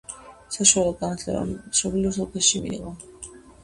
საშუალო განათლება მშობლიურ სოფელში მიიღო.